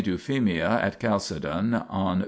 Euphemia at Chalcedon on p.